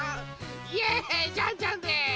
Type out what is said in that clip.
イエーイジャンジャンです！